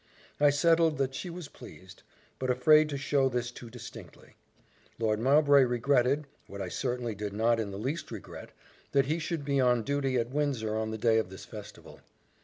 I settled that she was pleased, but afraid to show this too distinctly. Lord Mowbray regretted, what I certainly did not in the least regret, that he should be on duty at Windsor on the day of this festival.